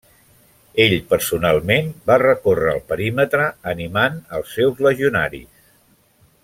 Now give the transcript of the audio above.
Ell personalment va recórrer el perímetre animant als seus legionaris.